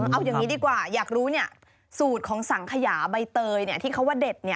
เอาอย่างนี้ดีกว่าอยากรู้สูตรของสังขยาใบเตยที่เขาว่าเด็ด